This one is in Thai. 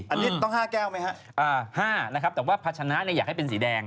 อันนี้ต้อง๕แก้วไหมฮะ๕นะครับแต่ว่าภาชนะอยากให้เป็นสีแดง